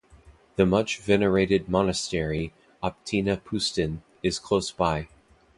The much-venerated monastery, Optina Pustyn, is close by.